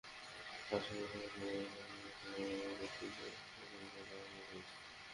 আসলে দেশের মানুষের জন্য নিঃস্বার্থভাবে কাজ করতে গিয়ে কষ্টকর অভিজ্ঞতা আগেও হয়েছে।